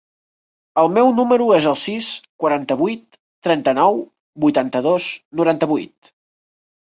El meu número es el sis, quaranta-vuit, trenta-nou, vuitanta-dos, noranta-vuit.